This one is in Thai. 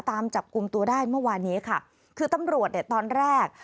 ตามจับกลุ่มตัวได้เมื่อวานนี้ค่ะคือตำรวจเนี่ยตอนแรก